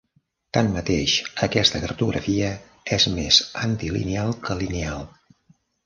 Tanmateix, aquesta cartografia és més antilineal que lineal.